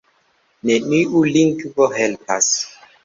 Neniu lingvo helpas.